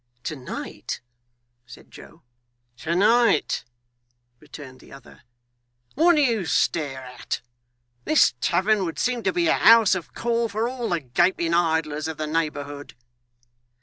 'To night!' said Joe. 'To night,' returned the other. 'What do you stare at? This tavern would seem to be a house of call for all the gaping idlers of the neighbourhood!